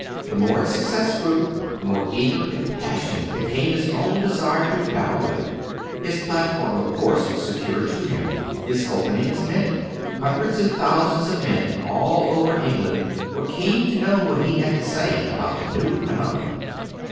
The more its success grew, the more eager and passionate became his own desire to battle with it. His platform, of course, was secured to him; his openings many. Hundreds and thousands of men all over England were keen to know what he had to say about the new phenomenon.